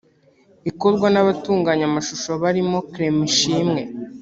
ikorwa n’abatunganya amashusho barimo Clement Ishimwe